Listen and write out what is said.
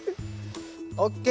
オッケー！